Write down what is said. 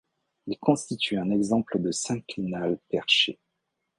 Il constitue un exemple de synclinal perché.